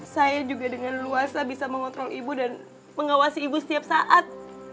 saya juga dengan luasa bisa mengontrol ibu dan mengawasi ibu setiap saat